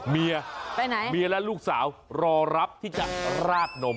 เมียไปไหนเมียและลูกสาวรอรับที่จะราดนม